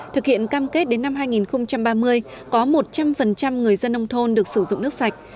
thực hiện cam kết đến năm hai nghìn ba mươi có một trăm linh người dân nông thôn được sử dụng nước sạch